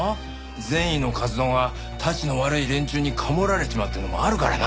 善意の活動がたちの悪い連中にカモられちまうっていうのもあるからな。